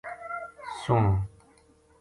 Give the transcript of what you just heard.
سوہنو